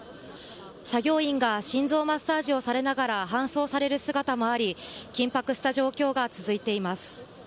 作業員が心臓マッサージをされながら搬送される姿もあり、緊迫した状況が続いています。